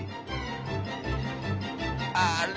あれ？